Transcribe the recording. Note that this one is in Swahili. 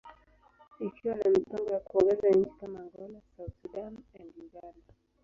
ikiwa na mipango ya kuongeza nchi kama Angola, South Sudan, and Uganda.